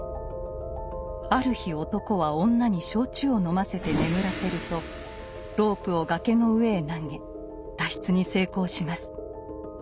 ある日男は女に焼酎を飲ませて眠らせるとロープを崖の上へ投げ脱出に成功します。